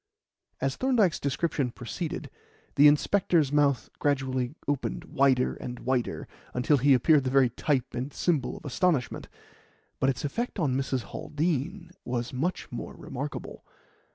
As Thorndyke's description proceeded, the inspector's mouth gradually opened wider and wider, until he appeared the very type and symbol of astonishment. But its effect on Mrs. Haldean was much more remarkable.